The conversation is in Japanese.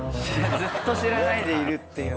ずっと知らないでいるっていうの。